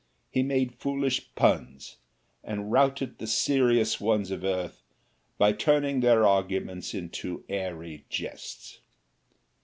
He made foolish puns, and routed the serious ones of earth by turning their arguments into airy jests.